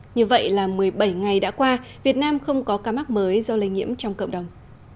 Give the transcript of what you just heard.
như vậy là một mươi bảy ngày đã qua việt nam không có ca mắc mới do lây nhiễm trong cộng đồng